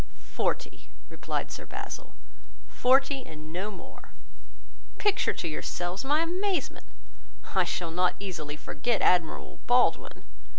'Forty,' replied Sir Basil, 'forty, and no more.' Picture to yourselves my amazement; I shall not easily forget Admiral Baldwin.